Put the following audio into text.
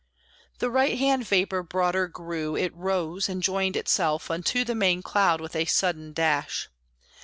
The right hand vapor broader grew; It rose, and joined itself unto The main cloud with a sudden dash.